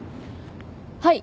はい。